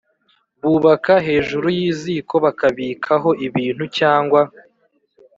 bubaka hejuru y’iziko bakakibikaho ibintu cyangwa